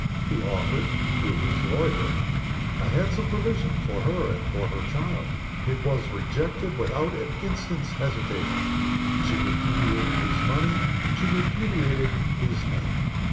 He offered (through his lawyer ) a handsome provision for her and for her child. It was rejected, without an instant's hesitation. She repudiated his money she repudiated his name.